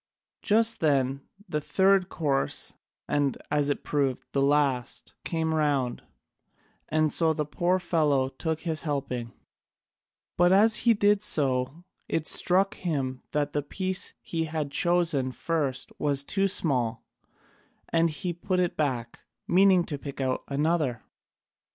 Just then the third course, and, as it proved, the last, came round, and so the poor fellow took his helping, but as he did so it struck him that the piece he had chosen first was too small, and he put it back, meaning to pick out another.